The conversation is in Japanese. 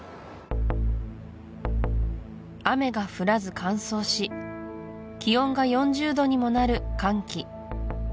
雨が降らず乾燥し気温が４０度にもなる乾季